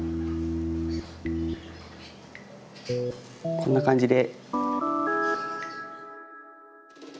こんな感じで。